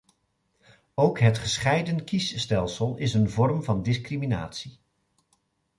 Ook het gescheiden kiesstelsel is een vorm van discriminatie.